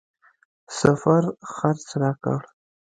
سفر خرڅ راکړ.